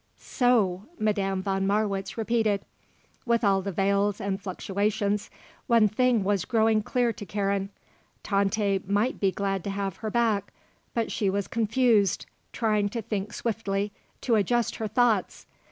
"So," Madame von Marwitz repeated. With all the veils and fluctuations, one thing was growing clear to Karen. Tante might be glad to have her back; but she was confused, trying to think swiftly, to adjust her thoughts.